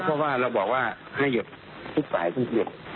เพราะว่าเราบอกว่าให้หยุดทุกฝ่ายทุกหยุด